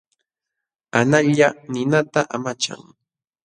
Analla ninata amachan.